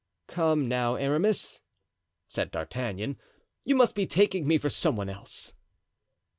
"Come, now, Aramis," said D'Artagnan, "you must be taking me for some one else."